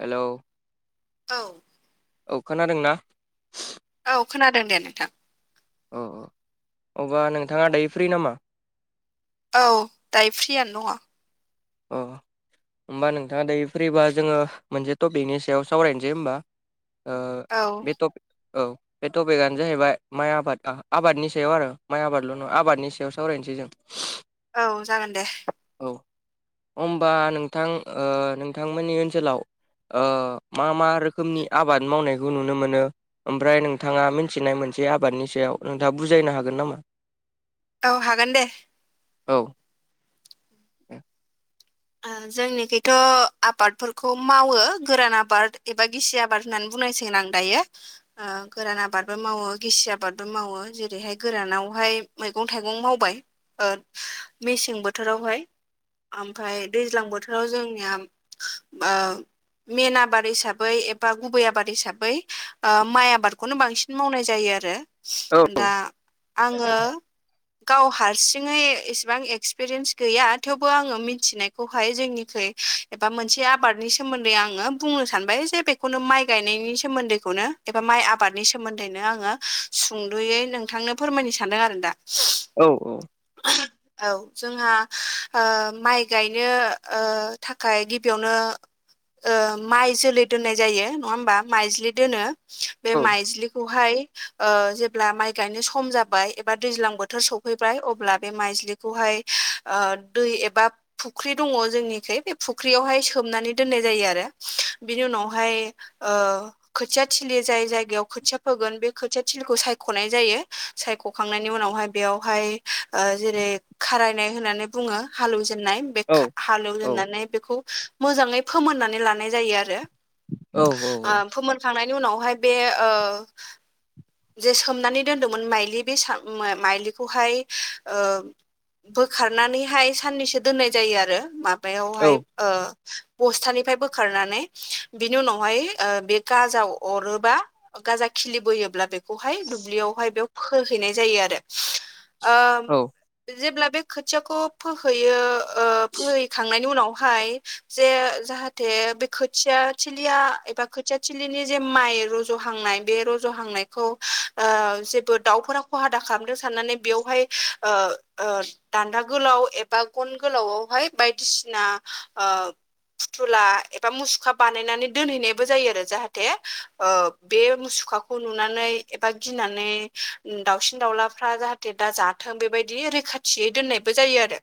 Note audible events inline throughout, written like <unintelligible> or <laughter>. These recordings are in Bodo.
हेलौ औ औ खोनादोंना? औ खोनादों दे नोंथां। अ अ अबा नोंथाङा दायो फ्रि नामा? औ दायो फ्रियानो दङ। अ होमबा नोंथाङा दायो फ्रिबा जोङो मोनसे टपिकनि सायाव सावरायनोसै होमबा। ओ औ बे टपि औ। बे टपिकआनो जाहैबाय माइ आबाद आबादनि सायाव आरो माइ आबादल' नङा आबादनि सायाव सावरायनोसै जों। <inaudible> औ जागोन दे। औ। अमबा नोंथां ओ नोंथांमोननि ओनसोलाव ओ मा मा रोखोमनि आबाद मावनायखौ नुनो मोनो। ओमफ्राय नोंथाङा मिथिनाय मोनसे आबादनि सायाव नोंथाङा बुजायनो हागोन नामा? औ हागोन दे। औ। जोंनिखैथ' आबादफोरखौ मावो गोरान आबाद एबा गिसि आबा बार होननानै बुंनायसगोन आं दायो। गोरान आबादबो मावो गिसि आबादबो मावो जेरैहाय गोरानावहाय मैगं थाइगं मावबाय। ओ मेसें बोथोरावहाय। ओमफाय दैज्लां बोथोराव जोंनिया बो मेन आबाद हिसाबै एबा गुबै आबाद हिसाबै माइ आबादखौनो बांसिन मावनाय जायो आरो। औ दा आङो गाव हारसि थिङै इसेबां एक्सपिरियेन्स गैया थेवबो आङो मि थिनायखौहाय जोंनिखोय एबा मोनसे आबादनि सोमोन्दै आङो बुंनो सानबाय जे खनो माइ गायनायनि सोमोन्दैखौनो एबा माइ आबादनि सोमोन्दैनो आङो सुंदुयै नोंथांनो फोरमायनो सानदों आरो दा। औ औ। <inaudible> औ जोंहा ओ माइ गायनो ओ थाखाय गिबियावनो ओ माइ जोलै दोननाय जायो नङा होमबा माइज्लि दोनो बे औ माइज्लिखौहाय ओ जेब्ला माइ गायनो सम जाबाय एबा दैज्लां बोथोर सौफैबाय अब ब्ला बे माइजलिखौहाय दै एबा फुख्रि दङ जोंनिखै बे फुख्रियावहाय सोमनानै दोननाय जायो आरो। बिनि उनावहाय ओ खोथिया थिलि जाय जायगायाव खोथिया फोगोन बे खोथिया थिलिखौ सायख'नाय जायो। सायख'खांनायनि उनावहाय बेयावहाय जेरै खारायनाय होनानै बुङो हालेव जेननाय बे औ खा हालेव औ जेननानै बेखौ मोजाङै फोमोननानै लानाय जायो आरो। औ औ। फोमोनखांनायनि उनावहाय बे ओ जे सोमनानै दोन्दोंमोन माइलि बे साम माइलिखौहाय ओ बोखारनानैहाय साननैसो दोननाय जायो आरो औ माबायावहाय। ओ बस्थानिफ्राय बोखारनानै बिनि उनावहाय बे गाजाव अरोबा अ गाजा खिलि बोयोब्ला बेख खौहाय दुब्लियावहाय बेयाव फोहैनाय जायो आरो। ओ जेब्ला बे खोथियाखौ फोहैयो ओ फोहैखांनायनि उनावहाय जे जाहाथे बे खोथियाथिलिया एबा खोथियाथिलिनि जे माइ रज'हांनाय बे रज'हांनाय खौ ओ जेबो दाउफोरा खहाादा खालामदों साननानै बेयावहाय ओ- ओ दान्दा गोलाव एबा गन गोलावआवहाय बायदिसिना ओ - फुथुला एबा मुसुखा बानायनानै दोनहैनायबो जायो आरो जाहाथे बे मुसुखाखौ नु नानै एबा गिनानै दाउसिन दाउलाफ्रा जाहाथे दा जाथों बेबायदि रैखा थियै दोननायबो जायो आरो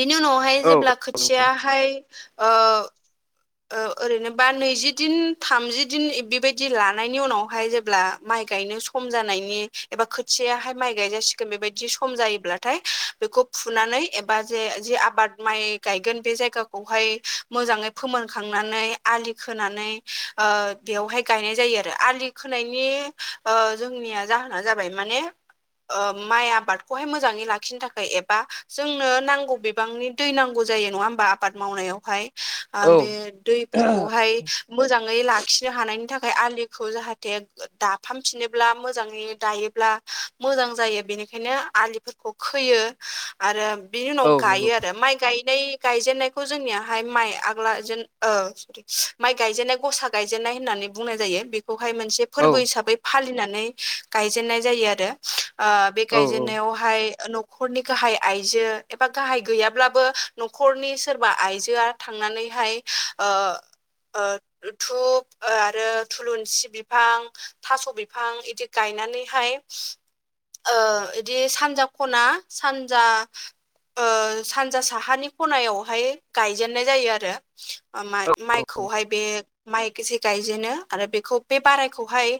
बिनि उनावहाय औ जेब्ला खोथियाहाय ओ ओ ओरैनो बा नैजि दिन थामजि दिन बेबायदि लानायनि उनाव हाय जेब्ला माइ गायनो सम जानायनि एबा खोथियाहाय माइ गायजासिगोन बेबायदि सम जायोब्ला थाय बेखौ फुनानै एबा जे जे आबाद माइ गायगोन बे जायाखौहाय मोजाङै फोमोनखांनानै आलि खोनानै बेवहाय गायनाय जायो आरो आलि खोनायनि ओ जोंनिया जाहोना जाबाय माने ओ माइ आबादखौहाय मोजाङै लाखिनो थाखाय एबा जोंनो नांगौ बिबांनि दै नांगौ जायो नङा होमबा आबाद मावनायावहाय औ बे दैफोरखौहाय मोजाङै लाखिनो हानायनि थाखाय आलिखौ जाहाथे दे दाफामफिनोब्ला मोजाङै दायोब्ला मोजां जायो बेनिखायनो आलिफोर खौ खोयो आरो बिनि औ उनाव नंगौ गायो आरो माइ गायनाय गायजेननायखौ जोंनियाहाय माइ आग्ला जेन ओ माइ गायजेननाय गसा गायजेननाय होननानै बुंनाय जायो बेखौ हाय मोनसे औ फोरबो हिसाबै फालिनानै गायजेननाय जायो आरो ओ बे औ गायजेननायाव हाय न'खरनि गाहाय आइजो एबा गाहाय गैयाब्लाबो न'खरनि सोरबा आइजोआ थांनानैहाय ओ धुप आरो थुलुनसि बिफां थास' बिफां बिदि गायनानैहाय ओ बिदि सानजा खना सानजा ओ सानजा साहानि खनायावहाय गायजेनन्नाय जायो आरो माइ माइखौहाय बे माइसे गायजेनो आरो बेखौ बे बारायखौहाय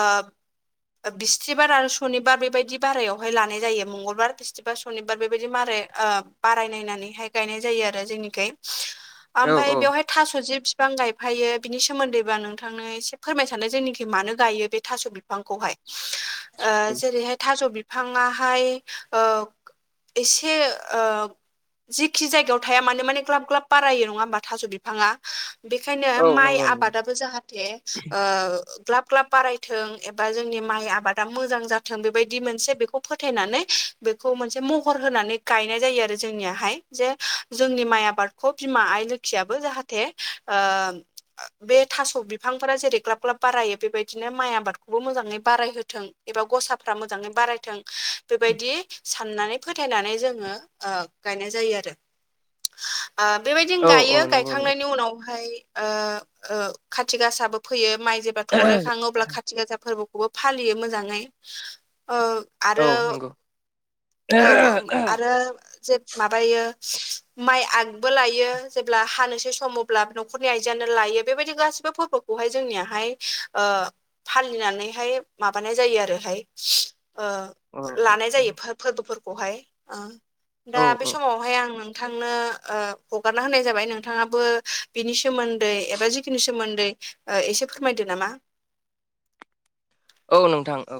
ओ बिस्थिबार आरो सनिबार बेबायदि बारायावहाय लानाय जायो मंगलबार बिस्बा बा सनिबार बेबायदि मारै ओ बारायनायनानैहाय गायनाय जायो आरो जोंनिखै औ ओमफाय बेवहाय थास' जि बिफां गायफायो बिनि सोमोन्दैबा नोंथांनो एसे फोरमाय सानो जोंनिखै मानो गायो बे थास' बिफांखौहाय जेरैहाय थास' बि बिफाङाहाय ओ एसे ओ जिखि जायगायाव थाया माने ग्लाब ग्लाब बार नङा होमबा थास' बि बिफाङा बेखायनो औ माइ नंगौ नंगौ आबादाबो जाहाथे ओ ग्लाब ग्लाब बारायथों एबा जोंनि माइ आबादा मोजां जाथों बेबायदि मोनसे बेखौ फोथायनानै बेखौ मोनसे महर होनानै गायनाय जायो आरो जोंनियाहाय जे जोंनि माइ आबाद बिमा आइ लोखियाबो जाहाथे ओ बे थास' बि फांफोरा जेरै ग्लाब ग्लाब बारायो बेबायदिनो माइ आबादखौबो मोजाङै बारायहोथों एबा गसाफ्रा मोजाङै बारायथों बेबायदि साननानै फोथायनानै जोंङो गायनाय जायो आरो। ओ बेबायदिनो औ औ गायो नंगौ नंगौ गायखांनायनि उनावहाय ओ ओ खा थि गासाबो फयो माइ जेब्ला थररायखाङो अब्ला खाथि गासा फोरबोखौबो फालियो मोजाङै ओ औ आरो नंगौ औ ओम आरो जे माबायो माइ आगबो लायो जेब्ला हानोसै सम अब्ला न'खरनि आइजोआनो लायो बेबायदि गासिबो फोरबोखौहाय जोंनियाहाय ओ फालिनानैहाय माबानाय जायो आरोहाय ओ औ लानाय जायो फोरबोफोरखौहाय ओ औ दा बे औ समाव हाय आं नोंथांनो ओ हगारना होनाय जाबाय नोंथांआबो बिनि सोन्दै एबा जि बोनि सोमोन्दै ओ एसे फोरमायदो नामा औ नोंथां औ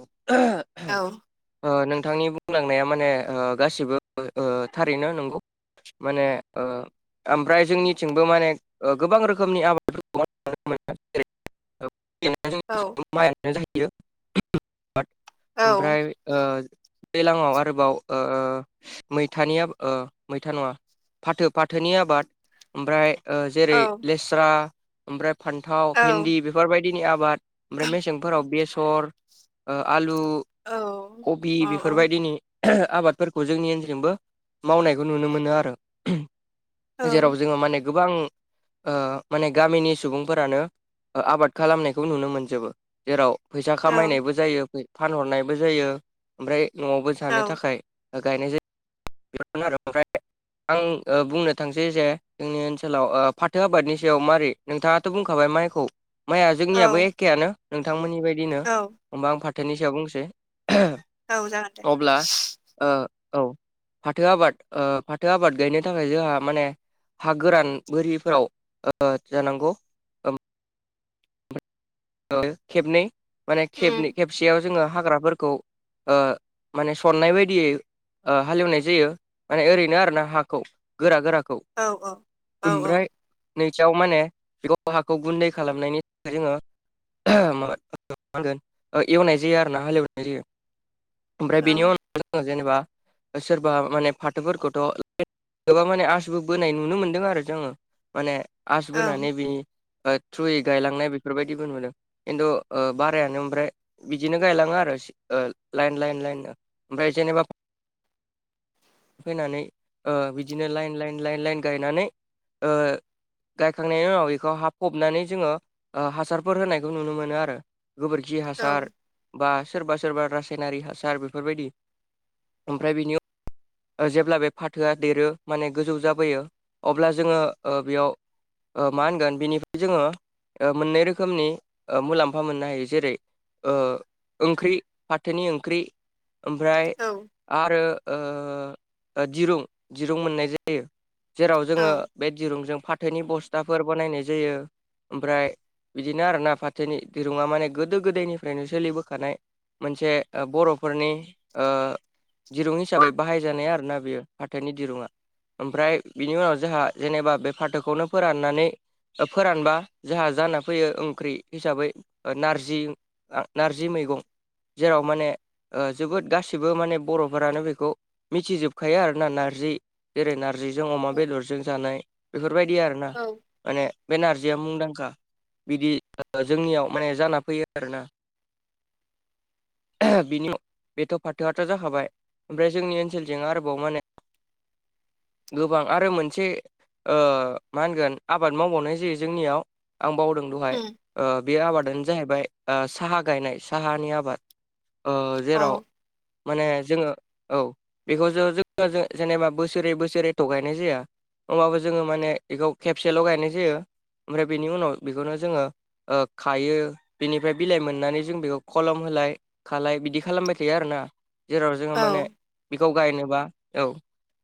औ ओ नोंथांनि बुंलांनाया माने ओ गासिबो ओ थारैनो नंगौ माने ओ ओमफ्राय जोंनिथिंबो माने ओ गोबां रोखोमनि आबादफोरखौहाय औ <unintelligible> <unintelligible> माइ आनो जायो <unintelligible> औ आमफ्राय ओ दैलाङआव आरोबाव ओ मैथानि आबा ओ मैथा नङा फाथो फाथोनि आबाद ओमफ्राय ओ जेरै औ लेस्रा ओमफ्राय फान्थाव औ भेन्दि बेफोरबायदिनि आबाद ओमफ्राय मेसेंफोराव बेसर ओ आलु औ कबि औ बेफोरबायदिनि <unintelligible> आबादफोरखौ जोंनि ओनसोलजोंबो मावनायखौ नुनो मोनो आरो औ जेराव जोङो माने गोबां ओ माने गामिनि सुबुंफोरानो ओ आबाद खालामनायखौ नुनो मोनजोबो जेराव फैसा खामायनायबो जायो फानहरनायबो जायो ओमफ्राय न'आवबो जानो औ थाखाय ओ गायनाय जायो आरो <unintelligible> आमफ्राय आं बुंनो थांसै जे जोंनि ओनसोलाव ओ फाथो आबादनि सायाव मारै नोंथाङाथ' बुंखाबाय माइखौ माइआ जोंनियाबो औ एखेआनो नोंथांमोननि बादिनो औ होमबा आं फाथोनि सायाव बुंनोसै <unintelligible> औ जागोन दे अब्ला ओ औ फाथो आबाद ओ फाथो आबाद गायनो थाखाय जोंहा माने हा गोरान बोरिफोराव ओ जानांगौ ओ खेबनै माने खेबनै उम खेबसेयाव जोङो हाग्राफोरखौ ओ माने सननाय बायदियै ओ हालेवनाय जायो माने ओरैनो आरो ना हाखौ गोरा गोराखौ औ औ औ औ ओमफ्राय नैथियाव माने बेखौ हाखौ गुन्दै खालामनायनि थाखाय जोङो <unintelligible> एवनाय जायो आरो ना हालेवनाय जायो आमफ्राय औ बेनि ओं उनाव जोङो जेनेबा ओ सोरबा माने फाथोफोरखौथ' गोबां माने आसबो बोनाय नुनो मोनदों आरो जोङो। माने आस बोनानै बे थ्रुयै गायलांनाय बेफोरबायदि बिदिबो नुदों खिन्थु ओ बारायानो आमफ्राय बिदिनो गायलाङो आरो ओ लाइन लाइन लाइननो ओमफ्राय जेनेबा फोनानै ओ बिदिनो लाइन लाइन लाइन लाइन गायनानै ओ गायखांनायनि उनाव बेखौ हाबफबनानै जोङो ओ हासारफोर होनायखौ नुनो मोनो आरो गोबोरखि औ हासार बा सोरबा सोरबा रासायनारि हासार बेफोरबायदि ओमफ्राय बेनि ओ जेब्ला बे फाथोआ देरो माने गोजौ जाबोयो अब्ला जोङो बेयाव ओ मा होनगोन बेनिफ्राय जोङो मोननै रोखोमनि ओ मुलाम्फा मोननो हायो जेरै ओ ओंख्रि फाथोनि ओंख्रि आमफ्राय औ आरो ओ दिरुं दिरुं मोननाय जायो जेराव जोङो बे दिरुंजों फाथोनि बस्थाफोर बानायनाय जायो ओमफ्राय बिदिनो आरोना फाथोनि दिरुंङा माने गोदो गोदायनिफ्रायनो सोलिबोखानाय मोनसे बरफोरनि ओ दिरुंनि हिसाबै बाहायजानाय आरो ना बेयो फाथोनि दिरुंङा आमफ्राय बिनि उनाव जोंहा जेनेबा बे फाथोखौनो फोराननानै फोरानबा जोंहा जाना फैयो ओंख्रि हिसाबै नारजि आ नारजि मैगं, जेराव माने ओ जोबोद गासिबो माने बरफोरानो बे खौ मिथिजोबखायो आरोना नारजि जेरै नार्जिजों अमा औ बेदरजों जानाय बेफोरबायदि आरोना औ माने बेनारजिया मुंदांखा बिदि जोंनियाव माने जाना फैयो आरोना। आहा बिनि बेथ फाथोआथ जाखाबाय ओमफ्राय जोंनि ओनसोलजों आरोबाव माने गोबां आरो मोनसे ओ मा होनगोन आबाद मावबावनाय जायो जोंनियाव आं बावदों दहाय उम ओ बे आबादानो जाहैबाय साहा गायनाय साहानि आबाद‌। ओ औ जेराव माने जोङो औ बेखौ जो जोङो जेनेबा बोसोरे बोसोरे थ गायनाय जाया। होमबाबो जोङो माने बेखौ खेबसेल गायनाय जायो ओमफ्राय बेनि उनाव बेखौनो जोङो ओ खायो बिनिफ्राय बिलाइ मोननानै जों बेखौ खलम होलाय खालाय बिदि खालामबाय थायो आरोना जेराव जोङो माने औ बेखौ गायनोबा औ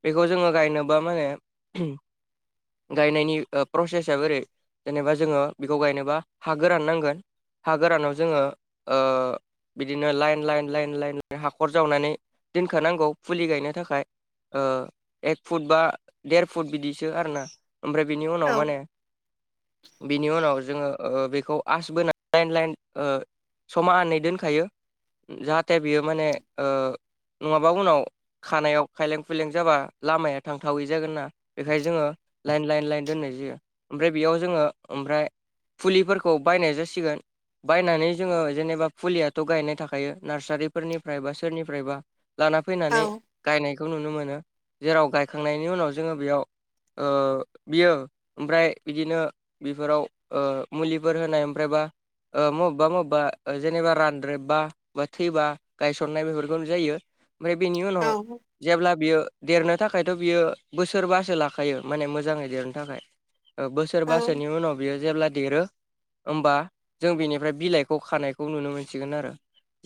बेखौ जोङो गायनोबा माने गायनायनि ओ प्रसेसआ ओरै जेनेबा जोङो बेखौ गायनोबा हा गोरान नांगोन। हा गोरानाव जोङो ओ बिदिनो लाइन लाइन लाइन लाइन हाखर जावनानै दोनखानांगौ फुलि गायनो थाखाय। ओ एक फुट बा देर फुट बिदिसो आरोना ओमफ्राय बिनि उनाव माने बिनि उनाव जोङो ओ बेखौ आस बोनानै लाइन लाइन ओ समानै दोनखायो। जाहाथे बियो माने ओ नङाबा उनाव खानायाव खायलें खुइलें जाबा लामाया थांथावै जागोन ना बेखायनो जोङो लाइन लाइन लाइन दोननाय जायो ओमफ्राय बेयाव जोङो ओमफ्राय फुलिफोरखौ बायनाय जासिगोन बायनानै जोङो जेनेबा फुलिया गायनाय थाखायो नार्सारिफोरनिफ्राय बा सोरनिफ्रायबा लाना फैनानै गायनायखौ नुनो मोनो जेराव गायखांनायनि उनाव जोङो बेयाव ओ बियो ओमफ्राय बिदिनो बेफोराव ओ मुलिफोर होनाय ओमफ्रायबा ओ बबेबा बबेबा जेनेबा रान रेबबा बा थैबा गायसननाय बेफोरखौ जायो ओमफ्राय बेनि औ उनाव जेब्ला बियो देरनो थाखायथ बियो बोसोरबासो लाखायो माने मोजाङै देरनो थाखाय ओ औ बोसोरबासोनि उनाव बियो जेब्ला देरो होमबा जों बेनिफ्राय बिलाइखौ खानायखौ नुनो मोनो। मोनसिगोन आरो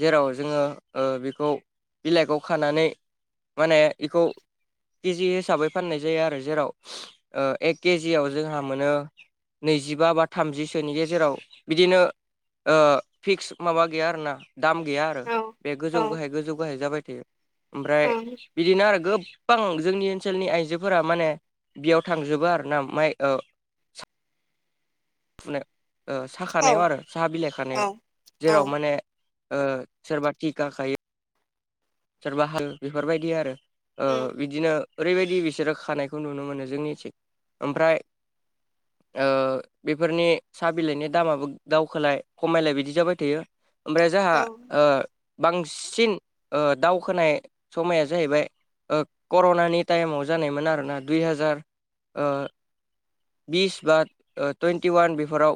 जेराव जोङो ओ बेखौ बिलाइखौ खानानै माने बिखौ के जि हिसाबै फाननाय जायो आरो जेराव ओ एक केजियाव जोंहा मोनो। नैजिबा बा थामजिसोनि गेजेराव बिदिनो ओ फिक्स माबा गैया आरोना दाम गैया आरो औ बे गोजौ औ गाहाय गोजौ गाहाय जाबाय थायो ओमफ्राय ओं बिदिनो आरो गोबां जोंनि ओनसोलनि आइजोफोरा माने बेयाव थांजोबो आर ना माइ ओ फुनायाव ओ औ साखानायाव आरो साहा बिलाइ औ खानायाव औ जेराव माने ओ सोरबा थिखा खायो। सोरबा हाल बेफोरबायदि आरो ओ उम बिदिनो ओरैबायदि बिसोरो खानायखौ नुनो मोनो जोंनि थिं ओमफ्राय ओ बेफोरनि साहा बिलाइनि दामाबो दावखोलाय खमायलाय बिदि जाबाय थायो। ओमफ्राय औ जाहहा बांसिन दावखोनाय समाया जाहैबाय कर'नानि टाइमाव जानायमोन आरोना दुइ हाजार ओ बिस बा टुइन्टि वान बेफोराव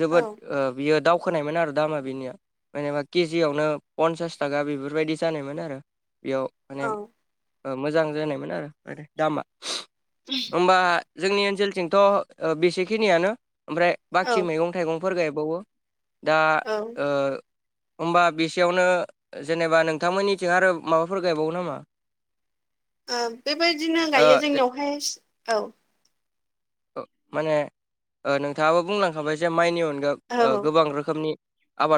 जोबोद औ बियो दाव खोनायमोन आरो दामा बिनिया जेनेबा केजियावनो पनसास थाखा बेफोरबायदि जानायमोन आरो। बेयाव औ माने मोजां जानायमोन आरो मे दामा। <inaudible> होनबा जोंनि ओनसोलथिंथ' बेसेखिनियानो ओमफ्राय बाखि मैगं थाइगं फोर गायबावो दा ओ होमबा बिसेयावनो जेनेबा नों नोंथांमोननिथिं आरो माबाफोर गायबावो नामा? ओ बेबायदिनो ओ गायो जोंनियावहाय औ माने ओ नोंथाङाबो बुंलांखाबाय जे माइनि अनगाै ओ औ गोबां रोखोमनि आबाद